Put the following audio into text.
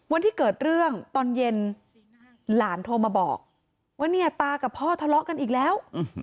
วันที่เกิดเรื่องตอนเย็นหลานโทรมาบอกว่าเนี่ยตากับพ่อทะเลาะกันอีกแล้ว